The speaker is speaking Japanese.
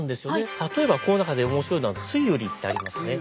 例えばこの中で面白いのは栗花落ってありますね。